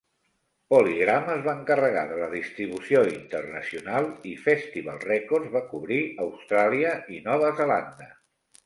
PolyGram es va encarregar de la distribució internacional i Festival Records va cobrir Austràlia i Nova Zelanda.